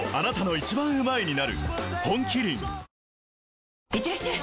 本麒麟いってらっしゃい！